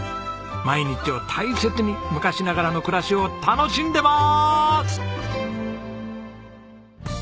毎日を大切に昔ながらの暮らしを楽しんでまーす！